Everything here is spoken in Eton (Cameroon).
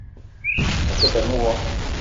Me te benn wo